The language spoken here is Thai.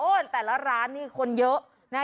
โอ้ยแต่ละร้านนี้คนเยอะ